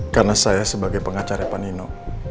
karena saya sebagai pengacara panino